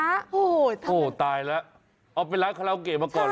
โหตายแล้วเอาเป็นร้านคาราโอเก่มาก่อนหรอ